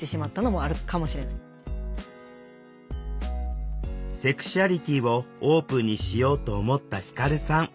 セクシュアリティーをオープンにしようと思った輝さん。